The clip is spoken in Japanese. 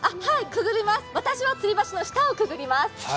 私はつり橋の下をくぐります。